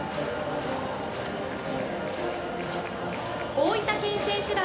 大分県選手団。